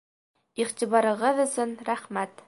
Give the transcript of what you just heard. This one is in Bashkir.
Иғтибарығыҙ өсөн рәхмәт.